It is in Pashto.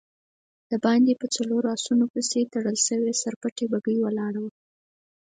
د باندی په څلورو آسونو پسې تړل شوې سر پټې بګۍ ولاړه وه.